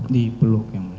dipeluk ya mulia